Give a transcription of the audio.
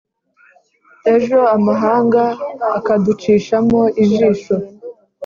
Ejo amahanga akaducishamo ijisho